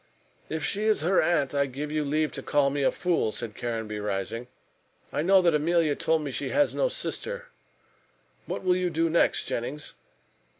"If she is her aunt, I give you leave to call me a fool," said Caranby, rising. "I know that Emilia told me she had no sister. What will you do next, Jennings?"